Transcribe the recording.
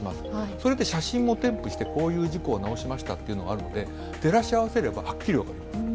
それで写真を添付して、こういう事故を直しましたというのがあるので照らし合わせればはっきりと分かります。